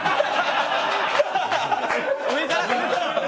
上から？